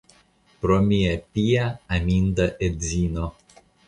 Pro mia pia, aminda edzino.